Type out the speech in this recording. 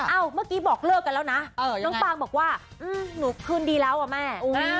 เมื่อกี้บอกเลิกกันแล้วนะน้องปางบอกว่าหนูคืนดีแล้วอ่ะแม่